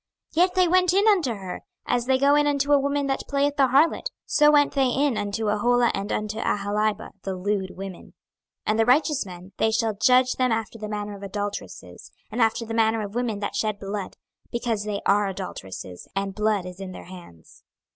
26:023:044 Yet they went in unto her, as they go in unto a woman that playeth the harlot: so went they in unto Aholah and unto Aholibah, the lewd women. 26:023:045 And the righteous men, they shall judge them after the manner of adulteresses, and after the manner of women that shed blood; because they are adulteresses, and blood is in their hands.